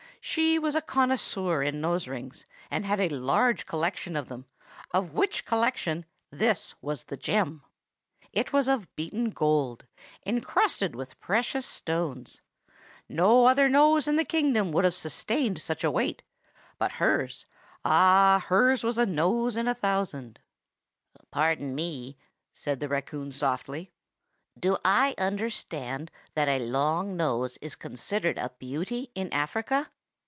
She was a connoisseur in nose rings, and had a large collection of them, of which collection this was the gem. It was of beaten gold, incrusted with precious stones. No other nose in the kingdom could have sustained such a weight; but hers—ah, hers was a nose in a thousand." "Pardon me!" said the raccoon softly, "do I understand that a long nose is considered a beauty in Africa?"